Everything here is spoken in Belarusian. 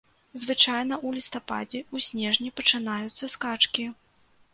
Звычайна ў лістападзе, у снежні пачынаюцца скачкі.